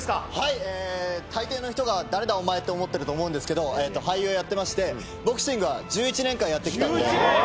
大抵の人が、誰だお前と思っていると思いますけど俳優をやってまして、ボクシングは１１年間やってきたので。